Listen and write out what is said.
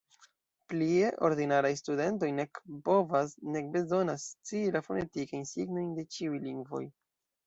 Plie, ordinaraj studentoj nek povas, nek bezonas scii la fonetikajn signojn de ĉiuj lingvoj.